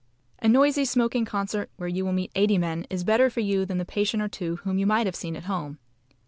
A noisy smoking concert where you will meet eighty men is better for you than the patient or two whom you might have seen at home.